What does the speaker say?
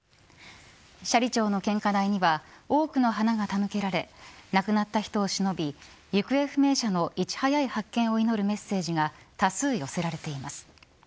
斜里町の献花台には多くの花が手向けられ亡くなった人をしのび行方不明者のいち早い発見を祈るメッセージが多数、寄せられています。